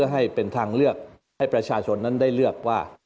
ให้เป็นทางเลือกให้ประชาชนนั้นได้เลือกว่า